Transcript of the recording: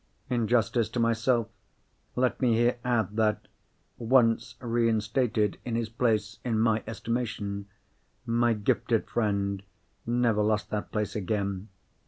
In justice to myself, let me here add that, once reinstated in his place in my estimation, my gifted friend never lost that place again.